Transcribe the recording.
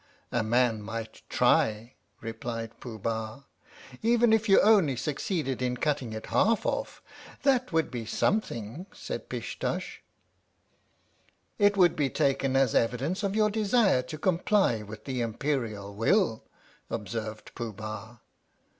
" A man might try," replied Pooh Bah. " Even if you only succeeded in cutting it half off, that would be something," said Pish Tush. " It would be taken as evidence of your desire to comply with the Imperial will," observed Pooh Bah.